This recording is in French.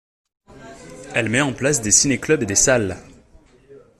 Elle met en place des Cinéclubs et des salles.